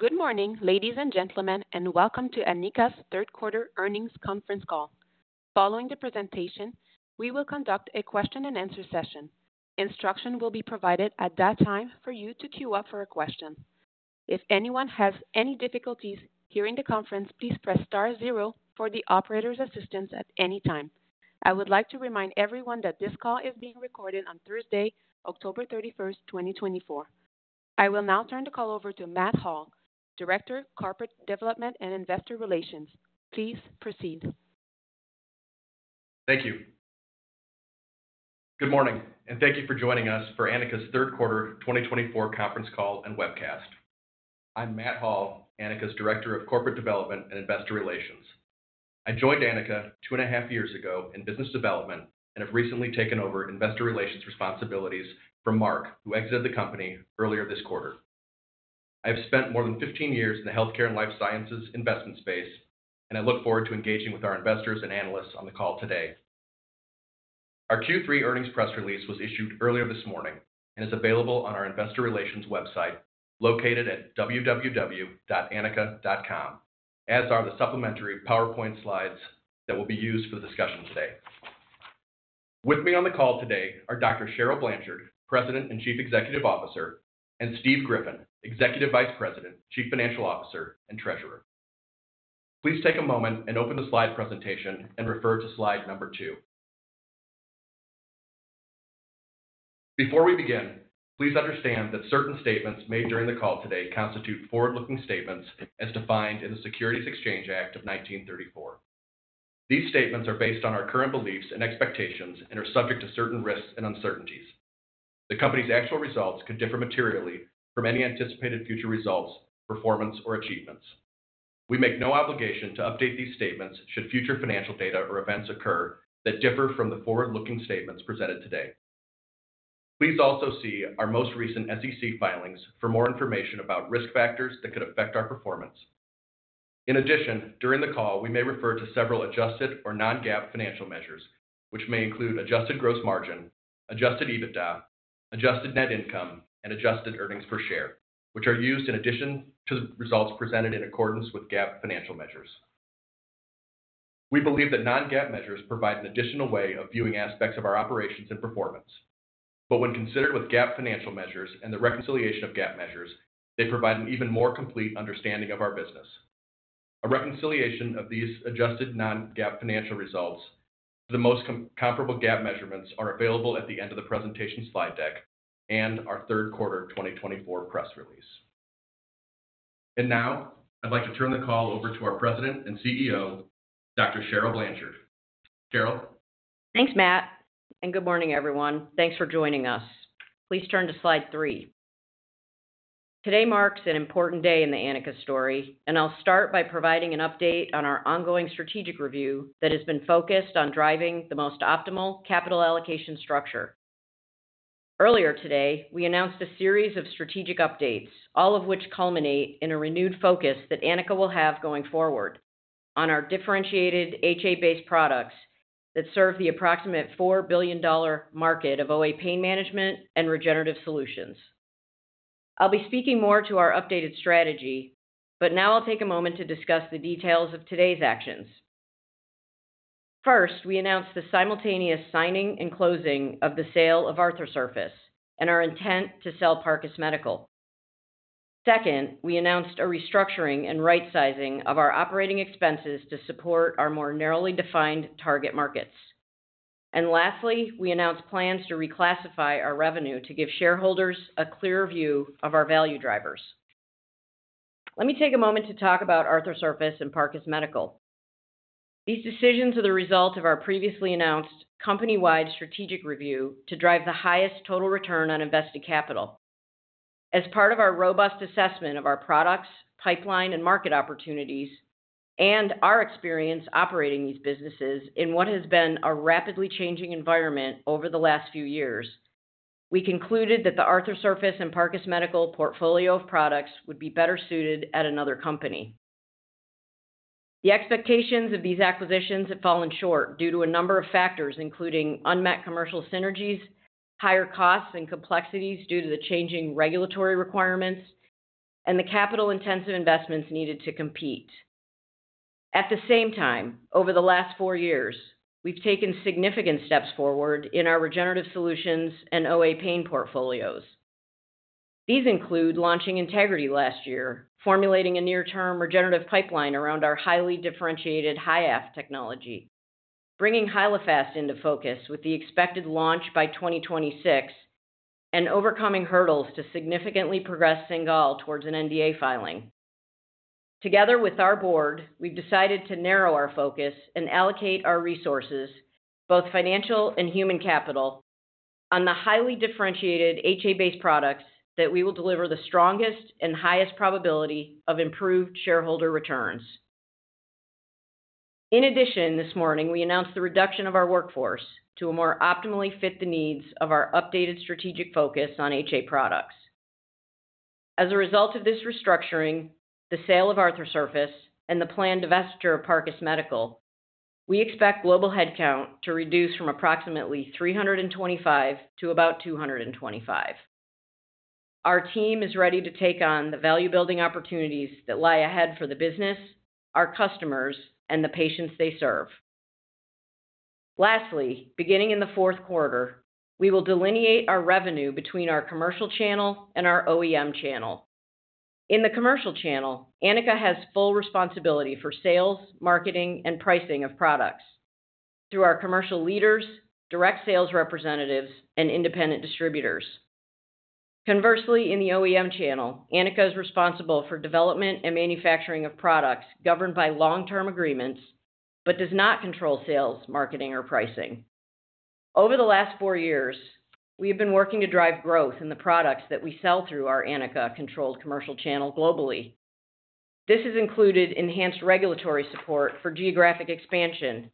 Good morning, ladies and gentlemen, and welcome to Anika's third-quarter earnings conference call. Following the presentation, we will conduct a question-and-answer session. Instruction will be provided at that time for you to queue up for a question. If anyone has any difficulties hearing the conference, please press star zero for the operator's assistance at any time. I would like to remind everyone that this call is being recorded on Thursday, October 31st, 2024. I will now turn the call over to Matt Hall, Director, Corporate Development and Investor Relations. Please proceed. Thank you. Good morning, and thank you for joining us for Anika's third-quarter 2024 conference call and webcast. I'm Matt Hall, Anika's Director of Corporate Development and Investor Relations. I joined Anika two and a half years ago in business development and have recently taken over investor relations responsibilities for Mark, who exited the company earlier this quarter. I have spent more than 15 years in the healthcare and life sciences investment space, and I look forward to engaging with our investors and analysts on the call today. Our Q3 earnings press release was issued earlier this morning and is available on our investor relations website located at www.anika.com, as are the supplementary PowerPoint slides that will be used for the discussion today. With me on the call today are Dr. Cheryl Blanchard, President and Chief Executive Officer, and Steve Griffin, Executive Vice President, Chief Financial Officer, and Treasurer. Please take a moment and open the slide presentation and refer to slide number two. Before we begin, please understand that certain statements made during the call today constitute forward-looking statements as defined in the Securities Exchange Act of 1934. These statements are based on our current beliefs and expectations and are subject to certain risks and uncertainties. The company's actual results could differ materially from any anticipated future results, performance, or achievements. We make no obligation to update these statements should future financial data or events occur that differ from the forward-looking statements presented today. Please also see our most recent SEC filings for more information about risk factors that could affect our performance. In addition, during the call, we may refer to several adjusted or non-GAAP financial measures, which may include adjusted gross margin, adjusted EBITDA, adjusted net income, and adjusted earnings per share, which are used in addition to the results presented in accordance with GAAP financial measures. We believe that non-GAAP measures provide an additional way of viewing aspects of our operations and performance. But when considered with GAAP financial measures and the reconciliation of GAAP measures, they provide an even more complete understanding of our business. A reconciliation of these adjusted non-GAAP financial results to the most comparable GAAP measurements is available at the end of the presentation slide deck and our third quarter 2024 press release. And now I'd like to turn the call over to our President and CEO, Dr. Cheryl Blanchard. Cheryl. Thanks, Matt, and good morning, everyone. Thanks for joining us. Please turn to slide three. Today marks an important day in the Anika story, and I'll start by providing an update on our ongoing strategic review that has been focused on driving the most optimal capital allocation structure. Earlier today, we announced a series of strategic updates, all of which culminate in a renewed focus that Anika will have going forward on our differentiated HA-based products that serve the approximate $4 billion market of OA pain management and regenerative solutions. I'll be speaking more to our updated strategy, but now I'll take a moment to discuss the details of today's actions. First, we announced the simultaneous signing and closing of the sale of Arthrosurface and our intent to sell Parcus Medical. Second, we announced a restructuring and right-sizing of our operating expenses to support our more narrowly defined target markets. Lastly, we announced plans to reclassify our revenue to give shareholders a clearer view of our value drivers. Let me take a moment to talk about Arthrosurface and Parcus Medical. These decisions are the result of our previously announced company-wide strategic review to drive the highest total return on invested capital. As part of our robust assessment of our products, pipeline, and market opportunities, and our experience operating these businesses in what has been a rapidly changing environment over the last few years, we concluded that the Arthrosurface and Parcus Medical portfolio of products would be better suited at another company. The expectations of these acquisitions have fallen short due to a number of factors, including unmet commercial synergies, higher costs and complexities due to the changing regulatory requirements, and the capital-intensive investments needed to compete. At the same time, over the last four years, we've taken significant steps forward in our regenerative solutions and OA pain portfolios. These include launching Integrity last year, formulating a near-term regenerative pipeline around our highly differentiated HYAFF technology, bringing Hyalofast into focus with the expected launch by 2026, and overcoming hurdles to significantly progress Cingal towards an NDA filing. Together with our board, we've decided to narrow our focus and allocate our resources, both financial and human capital, on the highly differentiated HA-based products that we will deliver the strongest and highest probability of improved shareholder returns. In addition, this morning, we announced the reduction of our workforce to a more optimally fit the needs of our updated strategic focus on HA products. As a result of this restructuring, the sale of Arthrosurface, and the planned divestiture of Parcus Medical, we expect global headcount to reduce from approximately 325 to about 225. Our team is ready to take on the value-building opportunities that lie ahead for the business, our customers, and the patients they serve. Lastly, beginning in the fourth quarter, we will delineate our revenue between our commercial channel and our OEM channel. In the commercial channel, Anika has full responsibility for sales, marketing, and pricing of products through our commercial leaders, direct sales representatives, and independent distributors. Conversely, in the OEM channel, Anika is responsible for development and manufacturing of products governed by long-term agreements but does not control sales, marketing, or pricing. Over the last four years, we have been working to drive growth in the products that we sell through our Anika-controlled commercial channel globally. This has included enhanced regulatory support for geographic expansion,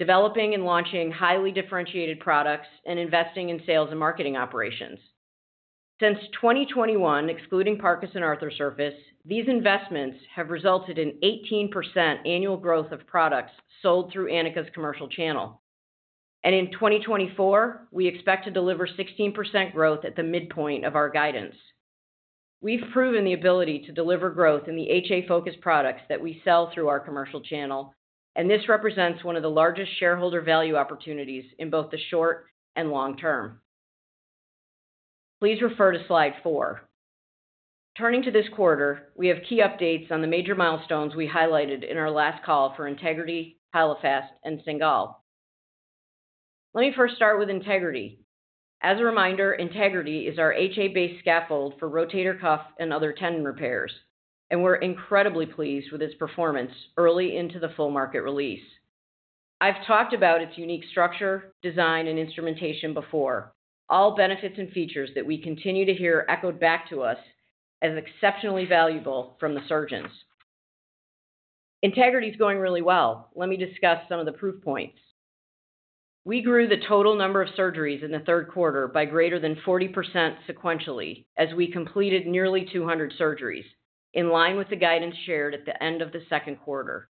developing and launching highly differentiated products, and investing in sales and marketing operations. Since 2021, excluding Parcus and Arthrosurface, these investments have resulted in 18% annual growth of products sold through Anika's commercial channel, and in 2024, we expect to deliver 16% growth at the midpoint of our guidance. We've proven the ability to deliver growth in the HA-focused products that we sell through our commercial channel, and this represents one of the largest shareholder value opportunities in both the short and long term. Please refer to slide four. Turning to this quarter, we have key updates on the major milestones we highlighted in our last call for Integrity, Hyalofast, and Cingal. Let me first start with Integrity. As a reminder, Integrity is our HA-based scaffold for rotator cuff and other tendon repairs, and we're incredibly pleased with its performance early into the full market release. I've talked about its unique structure, design, and instrumentation before, all benefits and features that we continue to hear echoed back to us as exceptionally valuable from the surgeons. Integrity is going really well. Let me discuss some of the proof points. We grew the total number of surgeries in the third quarter by greater than 40% sequentially as we completed nearly 200 surgeries, in line with the guidance shared at the end of the second quarter.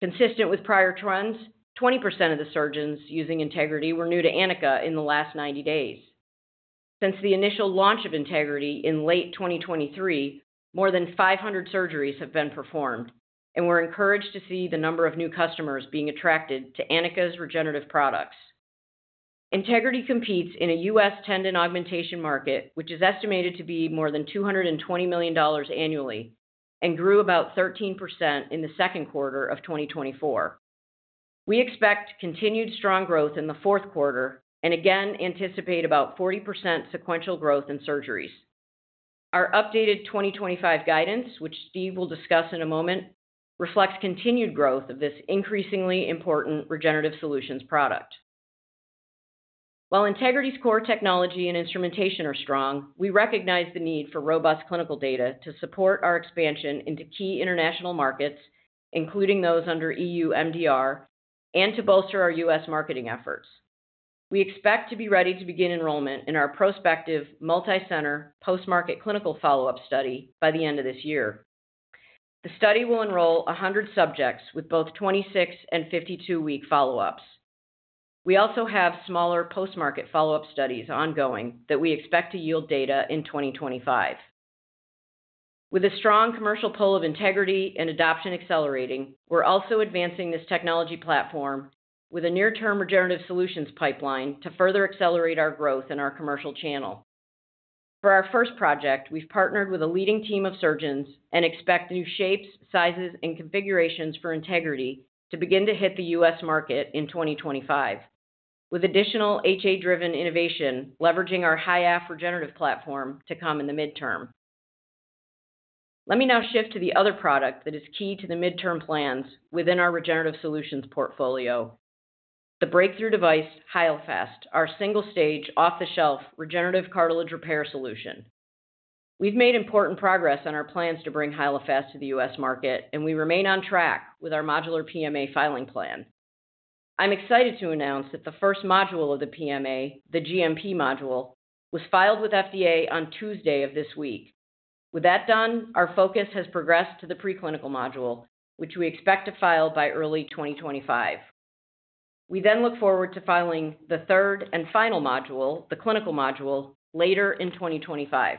Consistent with prior trends, 20% of the surgeons using Integrity were new to Anika in the last 90 days. Since the initial launch of Integrity in late 2023, more than 500 surgeries have been performed, and we're encouraged to see the number of new customers being attracted to Anika's regenerative products. Integrity competes in a U.S. tendon augmentation market, which is estimated to be more than $220 million annually, and grew about 13% in the second quarter of 2024. We expect continued strong growth in the fourth quarter and again anticipate about 40% sequential growth in surgeries. Our updated 2025 guidance, which Steve will discuss in a moment, reflects continued growth of this increasingly important regenerative solutions product. While Integrity's core technology and instrumentation are strong, we recognize the need for robust clinical data to support our expansion into key international markets, including those under EU MDR, and to bolster our U.S. marketing efforts. We expect to be ready to begin enrollment in our prospective multi-center post-market clinical follow-up study by the end of this year. The study will enroll 100 subjects with both 26- and 52-week follow-ups. We also have smaller post-market follow-up studies ongoing that we expect to yield data in 2025. With a strong commercial pull of Integrity and adoption accelerating, we're also advancing this technology platform with a near-term regenerative solutions pipeline to further accelerate our growth in our commercial channel. For our first project, we've partnered with a leading team of surgeons and expect new shapes, sizes, and configurations for Integrity to begin to hit the U.S. market in 2025, with additional HA-driven innovation leveraging our HYAFF regenerative platform to come in the midterm. Let me now shift to the other product that is key to the midterm plans within our regenerative solutions portfolio, the breakthrough device Hyalofast, our single-stage off-the-shelf regenerative cartilage repair solution. We've made important progress on our plans to bring Hyalofast to the U.S. market, and we remain on track with our modular PMA filing plan. I'm excited to announce that the first module of the PMA, the GMP module, was filed with FDA on Tuesday of this week. With that done, our focus has progressed to the pre-clinical module, which we expect to file by early 2025. We then look forward to filing the third and final module, the clinical module, later in 2025.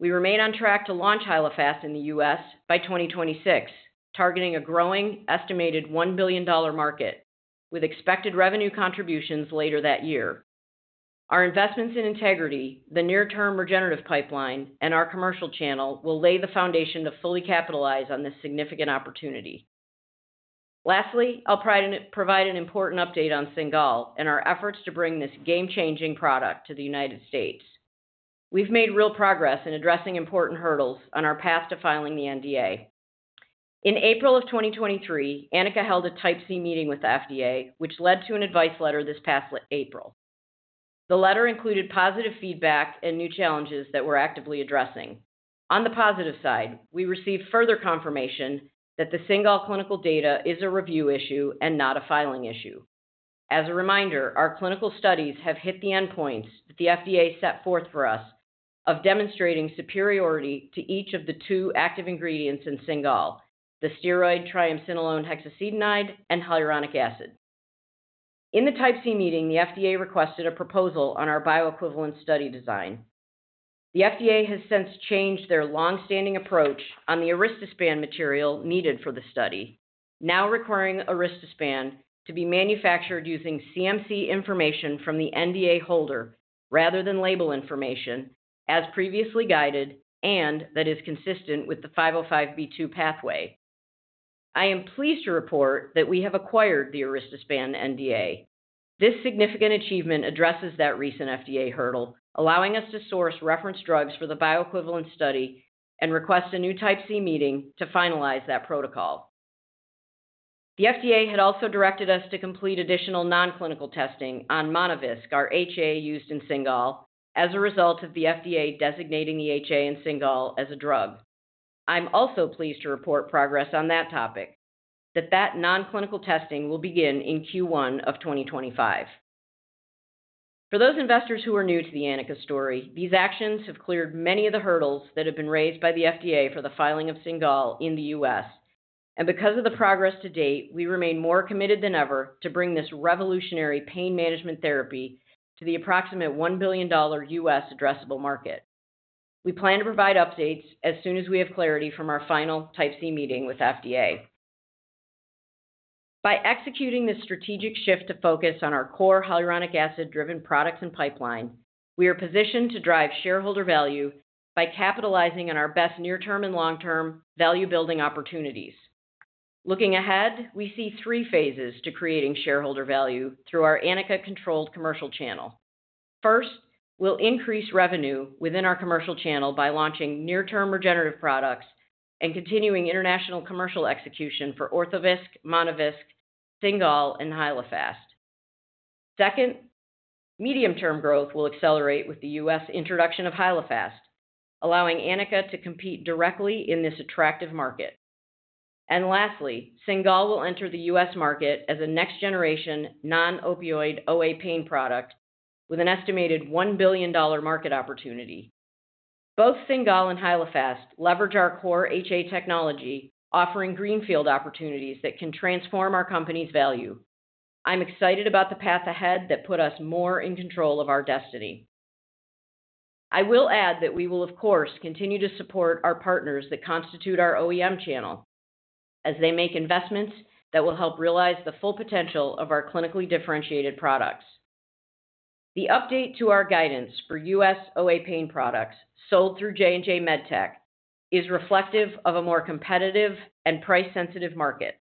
We remain on track to launch Hyalofast in the U.S. by 2026, targeting a growing estimated $1 billion market with expected revenue contributions later that year. Our investments in Integrity, the near-term regenerative pipeline, and our commercial channel will lay the foundation to fully capitalize on this significant opportunity. Lastly, I'll provide an important update on Cingal and our efforts to bring this game-changing product to the United States. We've made real progress in addressing important hurdles on our path to filing the NDA. In April of 2023, Anika held a Type C meeting with the FDA, which led to an advice letter this past April. The letter included positive feedback and new challenges that we're actively addressing. On the positive side, we received further confirmation that the Cingal clinical data is a review issue and not a filing issue. As a reminder, our clinical studies have hit the endpoints that the FDA set forth for us of demonstrating superiority to each of the two active ingredients in Cingal, the steroid triamcinolone hexacetonide and hyaluronic acid. In the Type C Meeting, the FDA requested a proposal on our bioequivalent study design. The FDA has since changed their long-standing approach on the Aristospan material needed for the study, now requiring Aristospan to be manufactured using CMC information from the NDA holder rather than label information, as previously guided, and that is consistent with the 505(b)(2) pathway. I am pleased to report that we have acquired the Aristospan NDA. This significant achievement addresses that recent FDA hurdle, allowing us to source reference drugs for the bioequivalent study and request a new Type C Meeting to finalize that protocol. The FDA had also directed us to complete additional non-clinical testing on Monovisc, our HA used in Cingal, as a result of the FDA designating the HA in Cingal as a drug. I'm also pleased to report progress on that topic, that non-clinical testing will begin in Q1 of 2025. For those investors who are new to the Anika story, these actions have cleared many of the hurdles that have been raised by the FDA for the filing of Cingal in the U.S. and because of the progress to date, we remain more committed than ever to bring this revolutionary pain management therapy to the approximate $1 billion U.S. addressable market. We plan to provide updates as soon as we have clarity from our final Type C meeting with FDA. By executing this strategic shift to focus on our core hyaluronic acid-driven products and pipeline, we are positioned to drive shareholder value by capitalizing on our best near-term and long-term value-building opportunities. Looking ahead, we see three phases to creating shareholder value through our Anika-controlled commercial channel. First, we'll increase revenue within our commercial channel by launching near-term regenerative products and continuing international commercial execution for Orthovisc, Monovisc, Cingal, and Hyalofast. Second, medium-term growth will accelerate with the U.S. introduction of Hyalofast, allowing Anika to compete directly in this attractive market. And lastly, Cingal will enter the U.S. market as a next-generation non-opioid OA pain product with an estimated $1 billion market opportunity. Both Cingal and Hyalofast leverage our core HA technology, offering greenfield opportunities that can transform our company's value. I'm excited about the path ahead that put us more in control of our destiny. I will add that we will, of course, continue to support our partners that constitute our OEM channel as they make investments that will help realize the full potential of our clinically differentiated products. The update to our guidance for U.S. OA pain products sold through J&J MedTech is reflective of a more competitive and price-sensitive market.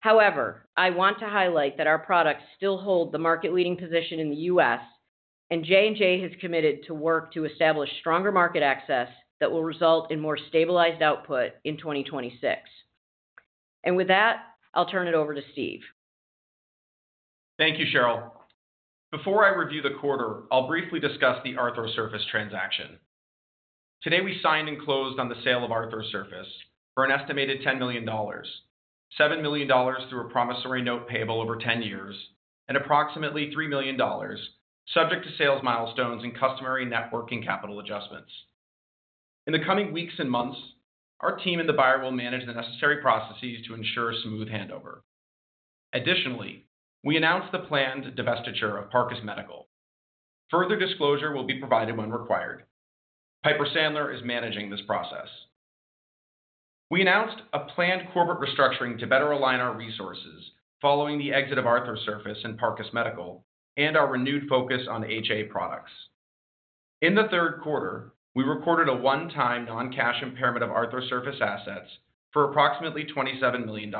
However, I want to highlight that our products still hold the market-leading position in the U.S., and J&J has committed to work to establish stronger market access that will result in more stabilized output in 2026 and with that, I'll turn it over to Steve. Thank you, Cheryl. Before I review the quarter, I'll briefly discuss the Arthrosurface transaction. Today, we signed and closed on the sale of Arthrosurface for an estimated $10 million, $7 million through a promissory note payable over 10 years, and approximately $3 million, subject to sales milestones and customary net working capital adjustments. In the coming weeks and months, our team and the buyer will manage the necessary processes to ensure a smooth handover. Additionally, we announced the planned divestiture of Parcus Medical. Further disclosure will be provided when required. Piper Sandler is managing this process. We announced a planned corporate restructuring to better align our resources following the exit of Arthrosurface and Parcus Medical and our renewed focus on HA products. In the third quarter, we recorded a one-time non-cash impairment of Arthrosurface assets for approximately $27 million.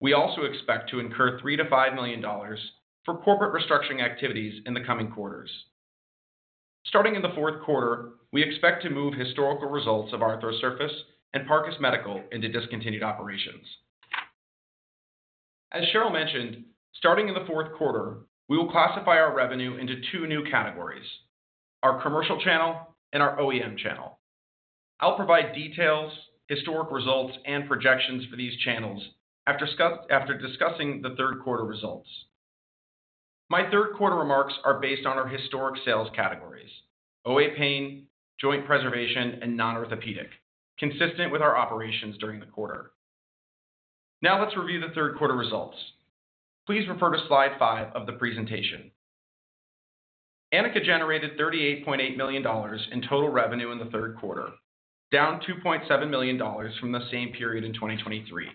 We also expect to incur $3-$5 million for corporate restructuring activities in the coming quarters. Starting in the fourth quarter, we expect to move historical results of Arthrosurface and Parcus Medical into discontinued operations. As Cheryl mentioned, starting in the fourth quarter, we will classify our revenue into two new categories: our commercial channel and our OEM channel. I'll provide details, historic results, and projections for these channels after discussing the third quarter results. My third quarter remarks are based on our historic sales categories: OA pain, joint preservation, and non-orthopedic, consistent with our operations during the quarter. Now let's review the third quarter results. Please refer to slide five of the presentation. Anika generated $38.8 million in total revenue in the third quarter, down $2.7 million from the same period in 2023.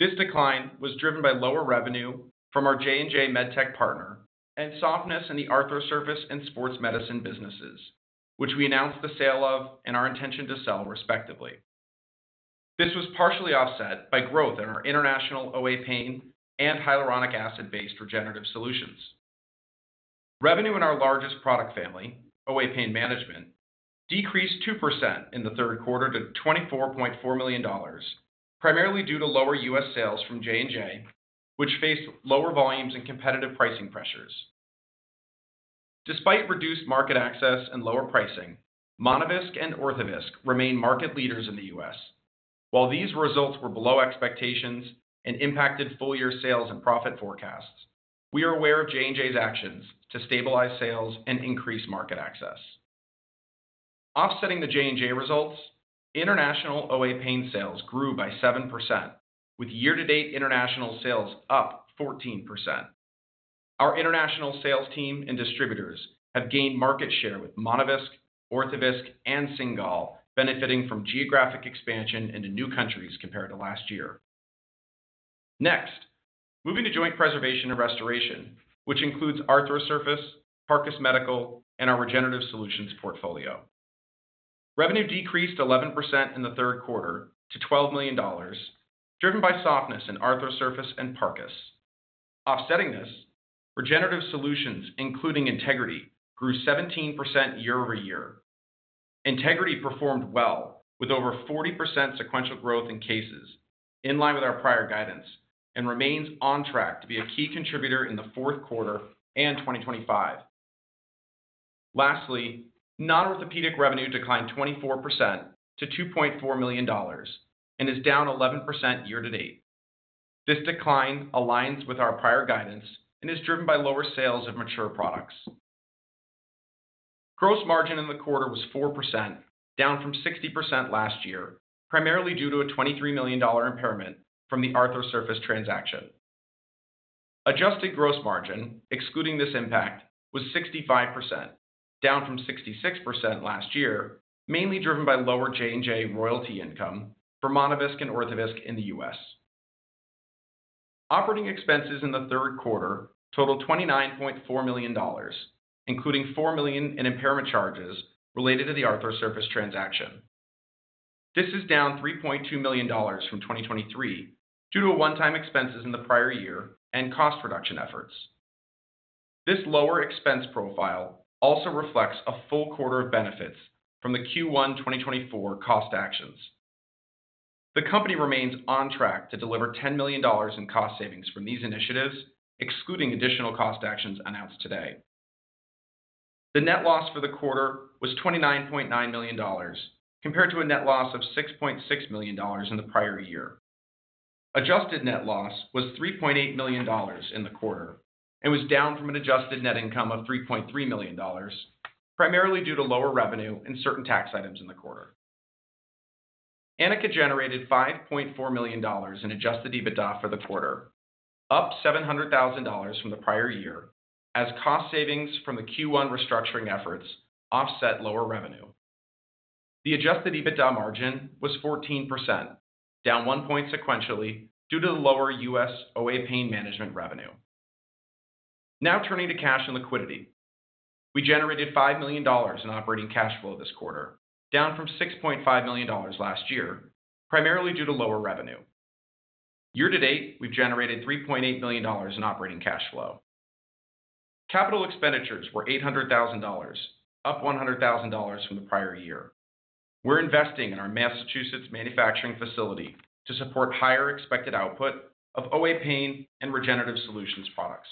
This decline was driven by lower revenue from our J&J MedTech partner and softness in the Arthrosurface and sports medicine businesses, which we announced the sale of and our intention to sell, respectively. This was partially offset by growth in our international OA pain and hyaluronic acid-based regenerative solutions. Revenue in our largest product family, OA pain management, decreased 2% in the third quarter to $24.4 million, primarily due to lower U.S. sales from J&J, which faced lower volumes and competitive pricing pressures. Despite reduced market access and lower pricing, Monovisc and Orthovisc remain market leaders in the U.S. While these results were below expectations and impacted full-year sales and profit forecasts, we are aware of J&J's actions to stabilize sales and increase market access. Offsetting the J&J results, international OA pain sales grew by 7%, with year-to-date international sales up 14%. Our international sales team and distributors have gained market share with Monovisc, Orthovisc, and Cingal, benefiting from geographic expansion into new countries compared to last year. Next, moving to joint preservation and restoration, which includes Arthrosurface, Parcus Medical, and our regenerative solutions portfolio. Revenue decreased 11% in the third quarter to $12 million, driven by softness in Arthrosurface and Parcus. Offsetting this, regenerative solutions, including Integrity, grew 17% year over year. Integrity performed well, with over 40% sequential growth in cases, in line with our prior guidance, and remains on track to be a key contributor in the fourth quarter and 2025. Lastly, non-orthopedic revenue declined 24% to $2.4 million and is down 11% year to date. This decline aligns with our prior guidance and is driven by lower sales of mature products. Gross margin in the quarter was 4%, down from 60% last year, primarily due to a $23 million impairment from the Arthrosurface transaction. Adjusted gross margin, excluding this impact, was 65%, down from 66% last year, mainly driven by lower J&J royalty income for Monovisc and Orthovisc in the U.S. Operating expenses in the third quarter totaled $29.4 million, including $4 million in impairment charges related to the Arthrosurface transaction. This is down $3.2 million from 2023 due to one-time expenses in the prior year and cost reduction efforts. This lower expense profile also reflects a full quarter of benefits from the Q1 2024 cost actions. The company remains on track to deliver $10 million in cost savings from these initiatives, excluding additional cost actions announced today. The net loss for the quarter was $29.9 million, compared to a net loss of $6.6 million in the prior year. Adjusted net loss was $3.8 million in the quarter and was down from an adjusted net income of $3.3 million, primarily due to lower revenue and certain tax items in the quarter. Anika generated $5.4 million in adjusted EBITDA for the quarter, up $700,000 from the prior year, as cost savings from the Q1 restructuring efforts offset lower revenue. The adjusted EBITDA margin was 14%, down one point sequentially due to the lower U.S. OA pain management revenue. Now turning to cash and liquidity. We generated $5 million in operating cash flow this quarter, down from $6.5 million last year, primarily due to lower revenue. Year to date, we've generated $3.8 million in operating cash flow. Capital expenditures were $800,000, up $100,000 from the prior year. We're investing in our Massachusetts manufacturing facility to support higher expected output of OA pain and regenerative solutions products.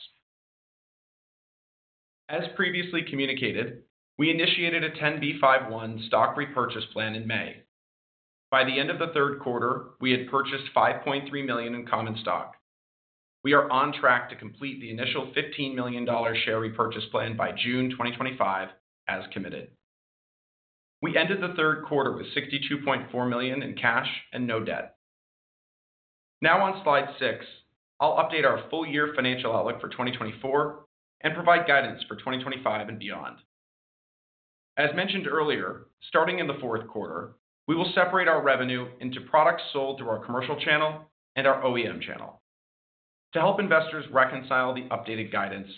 As previously communicated, we initiated a 10b5-1 stock repurchase plan in May. By the end of the third quarter, we had purchased $5.3 million in common stock. We are on track to complete the initial $15 million share repurchase plan by June 2025 as committed. We ended the third quarter with $62.4 million in cash and no debt. Now on slide six, I'll update our full-year financial outlook for 2024 and provide guidance for 2025 and beyond. As mentioned earlier, starting in the fourth quarter, we will separate our revenue into products sold through our commercial channel and our OEM channel. To help investors reconcile the updated guidance,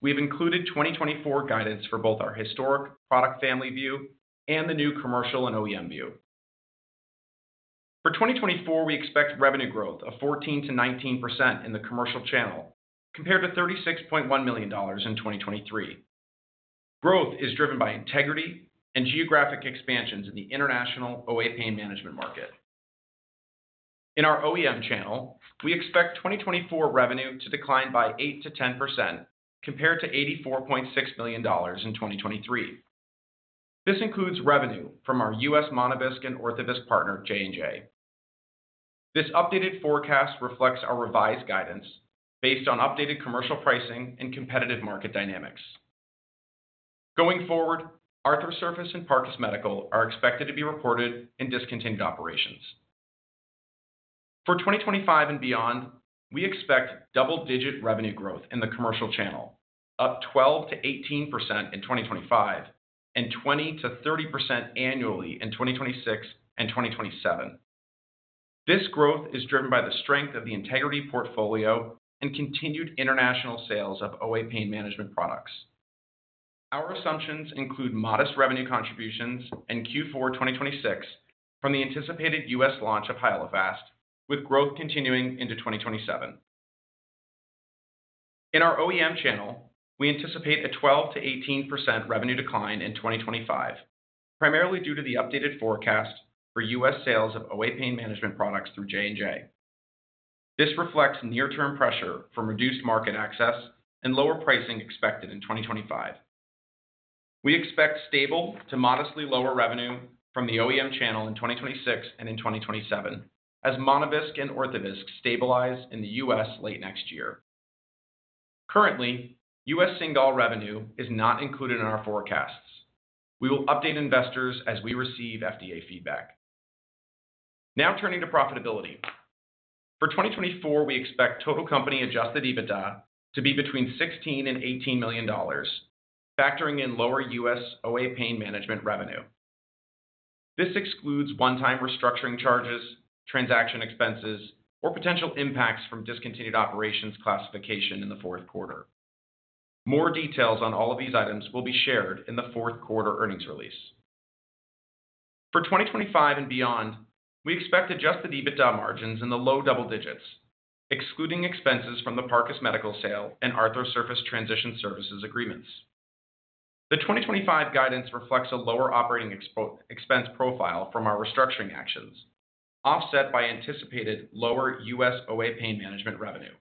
we have included 2024 guidance for both our historic product family view and the new commercial and OEM view. For 2024, we expect revenue growth of 14%-19% in the commercial channel, compared to $36.1 million in 2023. Growth is driven by Integrity and geographic expansions in the international OA pain management market. In our OEM channel, we expect 2024 revenue to decline by 8%-10%, compared to $84.6 million in 2023. This includes revenue from our U.S. Monovisc and Orthovisc partner, J&J. This updated forecast reflects our revised guidance based on updated commercial pricing and competitive market dynamics. Going forward, Arthrosurface and Parcus Medical are expected to be reported in discontinued operations. For 2025 and beyond, we expect double-digit revenue growth in the commercial channel, up 12%-18% in 2025 and 20%-30% annually in 2026 and 2027. This growth is driven by the strength of the Integrity portfolio and continued international sales of OA pain management products. Our assumptions include modest revenue contributions in Q4 2026 from the anticipated U.S. launch of Hyalofast, with growth continuing into 2027. In our OEM channel, we anticipate a 12%-18% revenue decline in 2025, primarily due to the updated forecast for U.S. sales of OA pain management products through J&J. This reflects near-term pressure from reduced market access and lower pricing expected in 2025. We expect stable to modestly lower revenue from the OEM channel in 2026 and in 2027, as Monovisc and Orthovisc stabilize in the U.S. late next year. Currently, U.S. Cingal revenue is not included in our forecasts. We will update investors as we receive FDA feedback. Now turning to profitability. For 2024, we expect total company Adjusted EBITDA to be between $16 and $18 million, factoring in lower U.S. OA pain management revenue. This excludes one-time restructuring charges, transaction expenses, or potential impacts from discontinued operations classification in the fourth quarter. More details on all of these items will be shared in the fourth quarter earnings release. For 2025 and beyond, we expect Adjusted EBITDA margins in the low double digits, excluding expenses from the Parcus Medical sale and Arthrosurface transition services agreements. The 2025 guidance reflects a lower operating expense profile from our restructuring actions, offset by anticipated lower U.S. OA pain management revenue.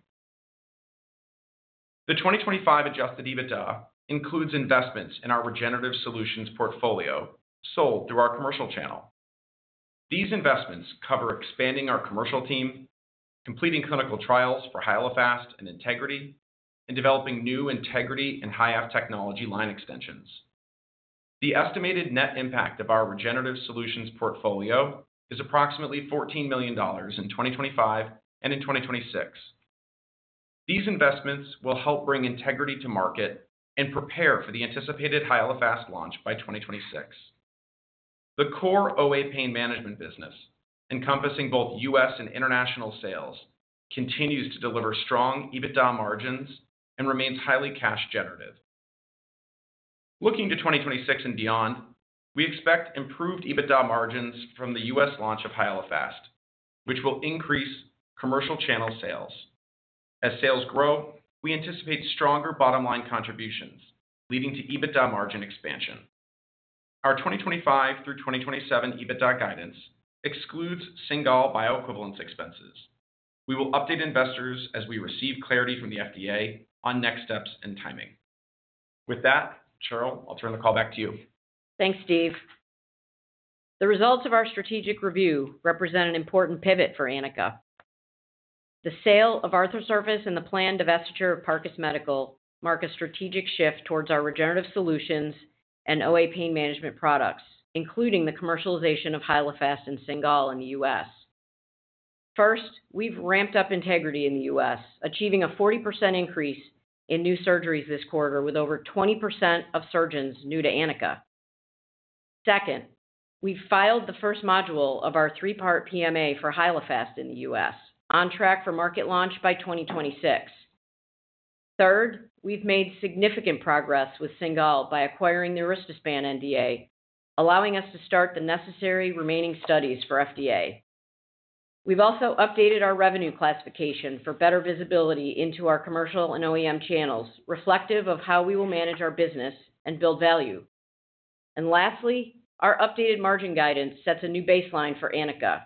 The 2025 Adjusted EBITDA includes investments in our regenerative solutions portfolio sold through our commercial channel. These investments cover expanding our commercial team, completing clinical trials for Hyalofast and Integrity, and developing new Integrity and HYAFF technology line extensions. The estimated net impact of our regenerative solutions portfolio is approximately $14 million in 2025 and in 2026. These investments will help bring Integrity to market and prepare for the anticipated Hyalofast launch by 2026. The core OA pain management business, encompassing both U.S. and international sales, continues to deliver strong EBITDA margins and remains highly cash-generative. Looking to 2026 and beyond, we expect improved EBITDA margins from the U.S. launch of Hyalofast, which will increase commercial channel sales. As sales grow, we anticipate stronger bottom-line contributions, leading to EBITDA margin expansion. Our 2025 through 2027 EBITDA guidance excludes Cingal bioequivalence expenses. We will update investors as we receive clarity from the FDA on next steps and timing. With that, Cheryl, I'll turn the call back to you. Thanks, Steve. The results of our strategic review represent an important pivot for Anika. The sale of Arthrosurface and the planned divestiture of Parcus Medical mark a strategic shift towards our regenerative solutions and OA pain management products, including the commercialization of Hyalofast and Cingal in the U.S. First, we've ramped up Integrity in the U.S., achieving a 40% increase in new surgeries this quarter, with over 20% of surgeons new to Anika. Second, we've filed the first module of our three-part PMA for Hyalofast in the U.S., on track for market launch by 2026. Third, we've made significant progress with Cingal by acquiring the Aristospan NDA, allowing us to start the necessary remaining studies for FDA. We've also updated our revenue classification for better visibility into our commercial and OEM channels, reflective of how we will manage our business and build value. And lastly, our updated margin guidance sets a new baseline for Anika.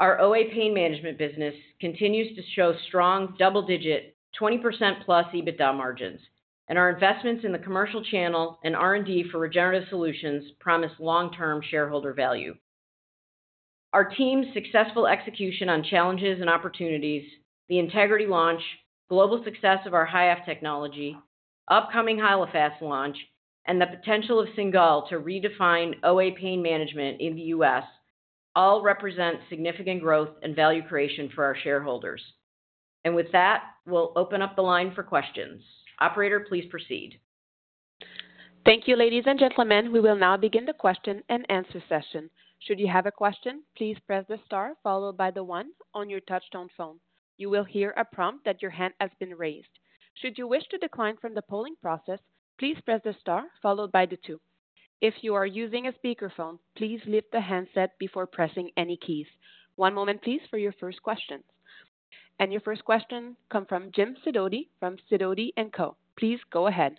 Our OA pain management business continues to show strong double-digit, 20% plus EBITDA margins, and our investments in the commercial channel and R&D for regenerative solutions promise long-term shareholder value. Our team's successful execution on challenges and opportunities, the Integrity launch, global success of our HYAFF technology, upcoming Hyalofast launch, and the potential of Cingal to redefine OA pain management in the U.S. all represent significant growth and value creation for our shareholders, and with that, we'll open up the line for questions. Operator, please proceed. Thank you, ladies and gentlemen. We will now begin the question and answer session. Should you have a question, please press the star followed by the one on your touch-tone phone. You will hear a prompt that your hand has been raised. Should you wish to decline from the polling process, please press the star followed by the two. If you are using a speakerphone, please lift the handset before pressing any keys. One moment, please, for your first questions. And your first question comes from Jim Sidoti from Sidoti & Co. Please go ahead.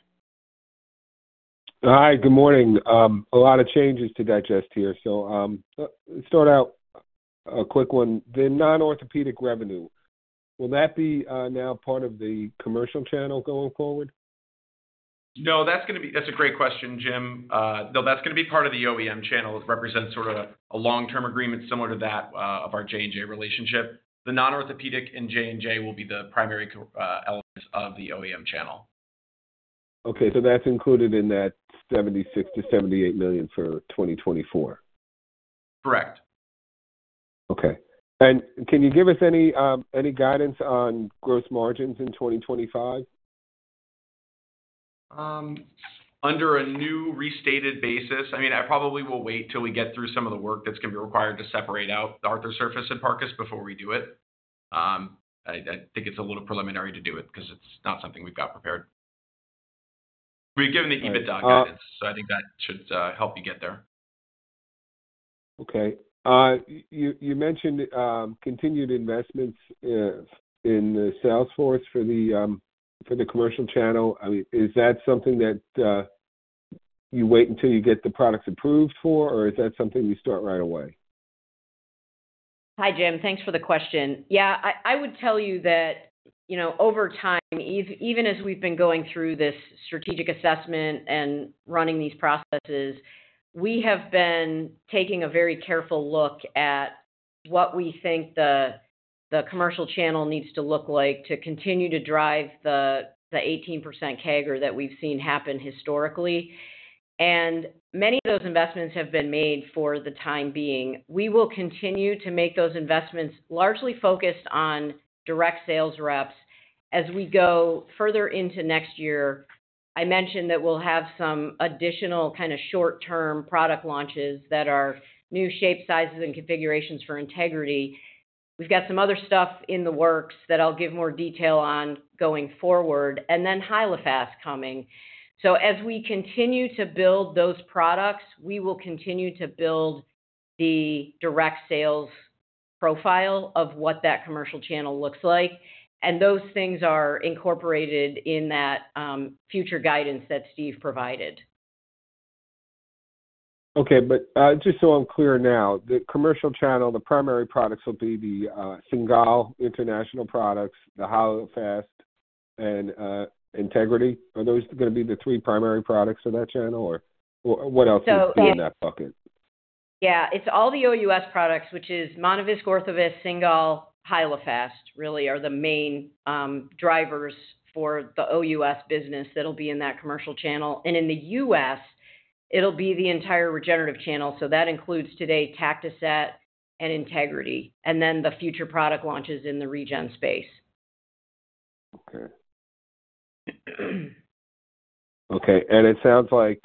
Hi, good morning. A lot of changes to digest here. So let's start out a quick one. The non-orthopedic revenue, will that be now part of the commercial channel going forward? No, that's going to be. That's a great question, Jim. No, that's going to be part of the OEM channel. It represents sort of a long-term agreement similar to that of our J&J relationship. The non-orthopedic and J&J will be the primary elements of the OEM channel. Okay. So that's included in that $76 million-$78 million for 2024? Correct. Okay. And can you give us any guidance on gross margins in 2025? Under a new restated basis, I mean, I probably will wait till we get through some of the work that's going to be required to separate out Arthrosurface and Parcus before we do it. I think it's a little preliminary to do it because it's not something we've got prepared. We've given the EBITDA guidance, so I think that should help you get there. Okay. You mentioned continued investments in the sales force for the commercial channel. I mean, is that something that you wait until you get the products approved for, or is that something you start right away? Hi, Jim. Thanks for the question. Yeah, I would tell you that over time, even as we've been going through this strategic assessment and running these processes, we have been taking a very careful look at what we think the commercial channel needs to look like to continue to drive the 18% CAGR that we've seen happen historically, and many of those investments have been made for the time being. We will continue to make those investments largely focused on direct sales reps. As we go further into next year, I mentioned that we'll have some additional kind of short-term product launches that are new shapes, sizes, and configurations for Integrity. We've got some other stuff in the works that I'll give more detail on going forward, and then Hyalofast coming, so as we continue to build those products, we will continue to build the direct sales profile of what that commercial channel looks like. And those things are incorporated in that future guidance that Steve provided. Okay. But just so I'm clear now, the commercial channel, the primary products will be the Cingal international products, the Hyalofast, and Integrity. Are those going to be the three primary products of that channel, or what else is in that bucket? Yeah. It's all the OUS products, which is Monovisc, Orthovisc, Cingal, Hyalofast, really, are the main drivers for the OUS business that'll be in that commercial channel. And in the U.S., it'll be the entire regenerative channel. So that includes today Tactoset and Integrity, and then the future product launches in the regen space. Okay. Okay. And it sounds like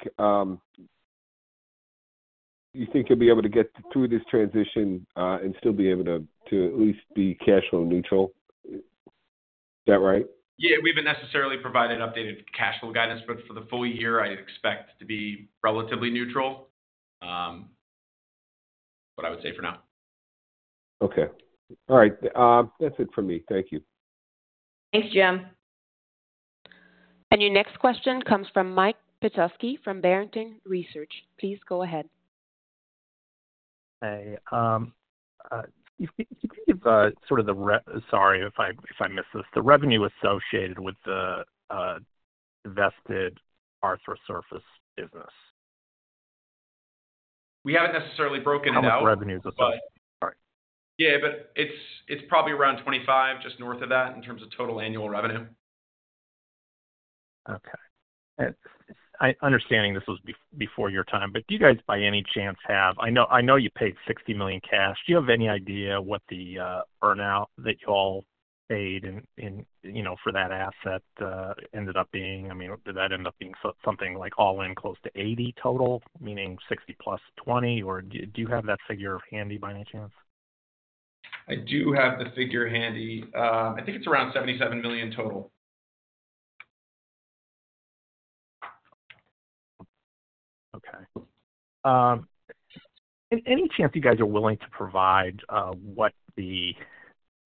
you think you'll be able to get through this transition and still be able to at least be cash flow neutral. Is that right? Yeah. We haven't necessarily provided updated cash flow guidance, but for the full year, I expect to be relatively neutral, what I would say for now. Okay. All right. That's it for me. Thank you. Thanks, Jim. And your next question comes from Mike Petusky from Barrington Research. Please go ahead. Hey. Can you give sort of the, sorry if I missed this, the revenue associated with the divested Arthrosurface business? We haven't necessarily broken it out. Oh, revenues associated. Sorry. Yeah, but it's probably around $25, just north of that in terms of total annual revenue. Okay. Understanding this was before your time, but do you guys, by any chance, have, I know you paid $60 million cash. Do you have any idea what the earnout that you all paid for that asset ended up being? I mean, did that end up being something like all-in close to 80 total, meaning 60 plus 20, or do you have that figure handy by any chance? I do have the figure handy. I think it's around $77 million total. Okay. By any chance, you guys are willing to provide what the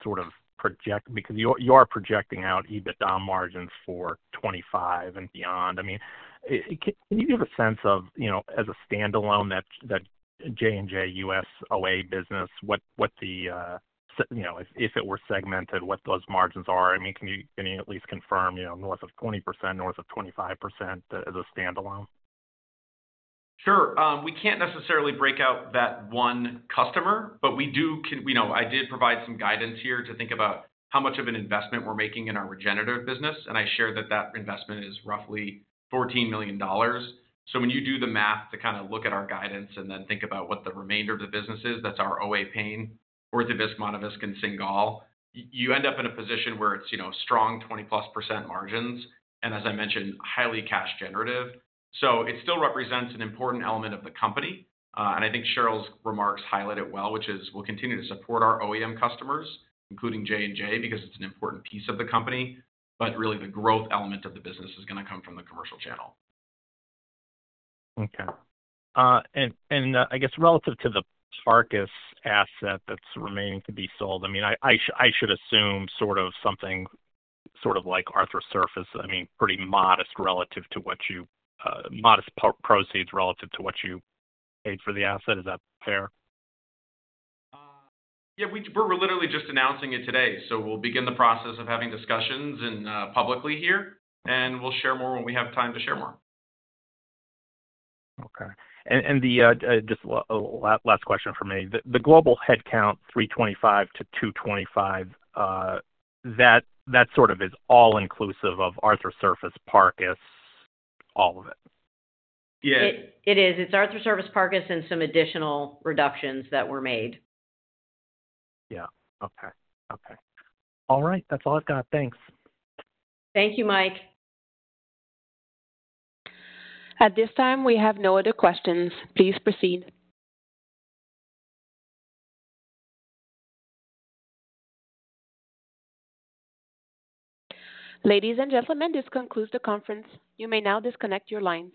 sort of projection, because you are projecting out EBITDA margins for 25 and beyond. I mean, can you give a sense of, as a standalone, that J&J U.S. OA business, what the, if it were segmented, what those margins are? I mean, can you at least confirm north of 20%, north of 25% as a standalone? Sure. We can't necessarily break out that one customer, but we do. I did provide some guidance here to think about how much of an investment we're making in our regenerative business. And I share that investment is roughly $14 million. So when you do the math to kind of look at our guidance and then think about what the remainder of the business is, that's our OA pain, Orthovisc, Monovisc, and Cingal, you end up in a position where it's strong 20-plus% margins, and as I mentioned, highly cash-generative. So it still represents an important element of the company. And I think Cheryl's remarks highlight it well, which is we'll continue to support our OEM customers, including J&J, because it's an important piece of the company. But really, the growth element of the business is going to come from the commercial channel. Okay. And I guess relative to the Parcus asset that's remaining to be sold, I mean, I should assume sort of something sort of like Arthrosurface, I mean, pretty modest relative to what you, modest proceeds relative to what you paid for the asset. Is that fair? Yeah. We're literally just announcing it today. So we'll begin the process of having discussions publicly here, and we'll share more when we have time to share more. Okay. And just a last question for me. The global headcount, 325 to 225, that sort of is all-inclusive of Arthrosurface, Parcus, all of it? Yeah. It is. It's Arthrosurface, Parcus, and some additional reductions that were made. Yeah. Okay. Okay. All right. That's all I've got. Thanks. Thank you, Mike. At this time, we have no other questions. Please proceed. Ladies and gentlemen, this concludes the conference. You may now disconnect your lines.